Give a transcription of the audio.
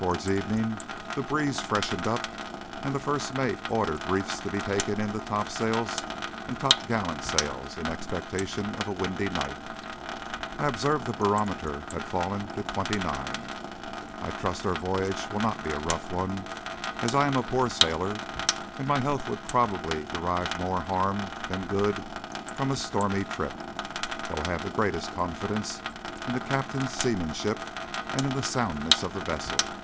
Towards evening the breeze freshened up, and the first mate ordered reefs to be taken in the topsails and top gallant sails in expectation of a windy night. I observe that the barometer has fallen to twenty nine. I trust our voyage will not be a rough one, as I am a poor sailor, and my health would probably derive more harm than good from a stormy trip, though I have the greatest confidence in the Captain's seamanship and in the soundness of the vessel.